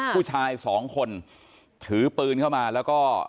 ผู้ชายสองคนถือปืนเข้ามาแล้วก็